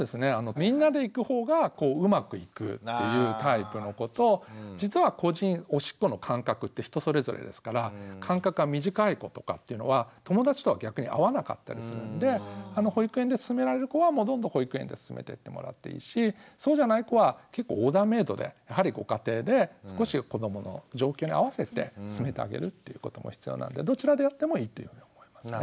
みんなで行く方がうまくいくっていうタイプの子と実は個人おしっこの間隔って人それぞれですから間隔が短い子とかっていうのは友達とは逆に合わなかったりするので保育園で進められる子はどんどん保育園で進めてってもらっていいしそうじゃない子は結構オーダーメイドでやはりご家庭で少し子どもの状況に合わせて進めてあげるっていうことも必要なんでどちらでやってもいいというふうに思いますね。